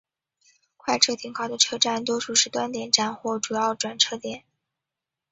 快车停靠的车站多数是端点站或主要转车点。